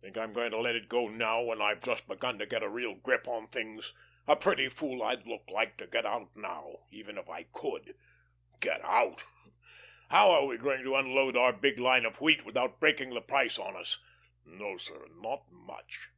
Think I'm going to let go now, when I've just begun to get a real grip on things? A pretty fool I'd look like to get out now even if I could. Get out? How are we going to unload our big line of wheat without breaking the price on us? No, sir, not much.